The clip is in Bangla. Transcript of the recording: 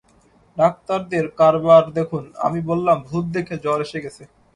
ডাক্তারদের কারবার দেখুন, আমি বললাম, ভূত দেখে জ্বর এসে গেছে।